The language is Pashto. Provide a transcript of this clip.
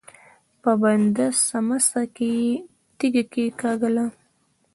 په بنده سمڅه کې يې تيږه کېکاږله.